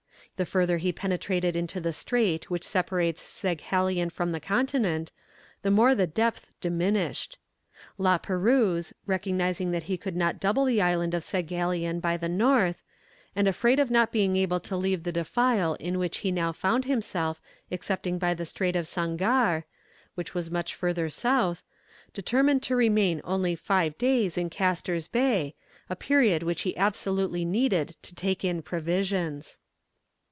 The further he penetrated into the strait which separates Saghalien from the continent, the more the depth diminished. La Perouse, recognizing that he could not double the island of Saghalien by the north, and afraid of not being able to leave the defile in which he now found himself excepting by the strait of Sangaar, which was much further south, determined to remain only five days in Casters Bay, a period which he absolutely needed to take in provisions.